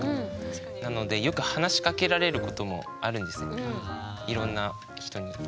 なのでよく話しかけられることもあるんですねいろんな人に。